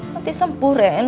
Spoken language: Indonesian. nanti sempul ren